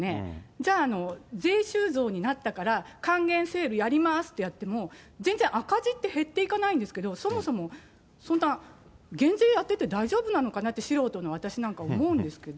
じゃあ、税収増になったから還元セールやりますって言っても、全然赤字って減っていかないんですけど、そもそもそんな減税やってて大丈夫なのかなって、素人の私なんか思うんですけど。